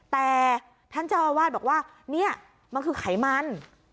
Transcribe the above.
แต่ท่านเจ้าอาวาสบอกว่าเนี่ยมันคือไขมัน